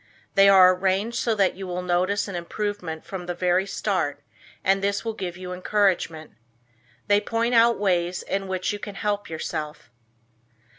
They are arranged so that you will notice an improvement from the very start, and this will give you encouragement. They point out ways in which you can help yourself.